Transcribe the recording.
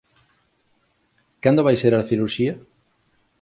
Cando vai ser a cirurxía?